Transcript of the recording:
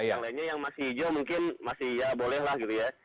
yang lainnya yang masih hijau mungkin masih ya bolehlah gitu ya